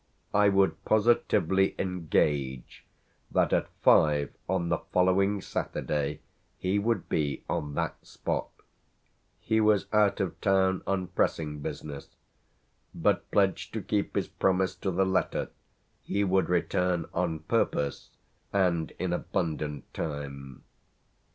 I would positively engage that at five on the following Saturday he would be on that spot. He was out of town on pressing business; but pledged to keep his promise to the letter he would return on purpose and in abundant time.